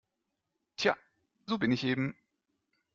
Tja, so bin ich eben.